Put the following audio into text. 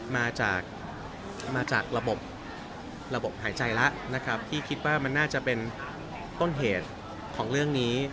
มาจากมาจากระบบระบบหายใจแล้วนะครับที่คิดว่ามันน่าจะเป็นต้นเหตุของเรื่องนี้